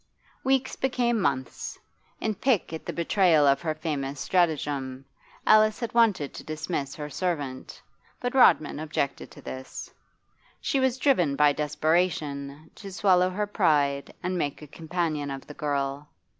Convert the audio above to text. Weeks became months. In pique at the betrayal of her famous stratagem, Alice had wanted to dismiss her servant, but Rodman objected to this. She was driven by desperation to swallow her pride and make a companion of the girl.